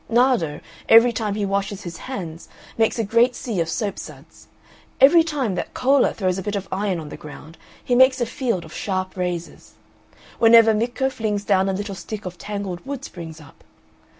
Nardo, every time he washes his hands, makes a great sea of soapsuds. Every time that Cola throws a bit of iron on the ground he makes a field of sharp razors. Whenever Micco flings down a little stick a tangled wood springs up.